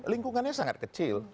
lingkungannya sangat kecil